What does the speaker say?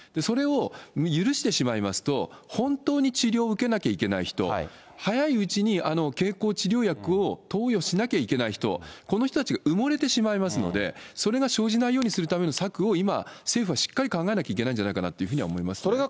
それを許してしまいますと、本当に治療を受けなきゃいけない人、早いうちに経口治療薬を投与しなきゃいけない人、この人たちが埋もれてしまいますので、それが生じないようにするための策を今、政府はしっかり考えなきゃいけないんじゃないかなと思いますね。